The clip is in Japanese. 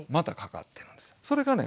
それがね